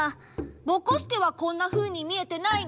ぼこすけはこんなふうに見えてないの？